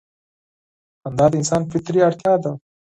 خندا د انسان فطري اړتیا ده.